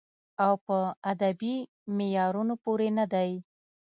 او پۀ ادبې معيارونو پوره نۀ دی